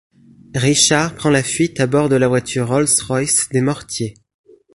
Richard prend la fuite à bord de la voiture Rolls Royce des Morthier.